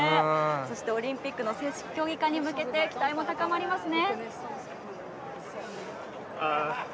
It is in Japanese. そして、オリンピックの正式競技化に向けて期待も高まりますね。